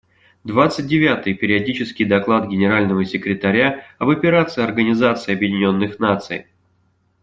Двадцать девятый периодический доклад Генерального секретаря об Операции Организации Объединенных Наций.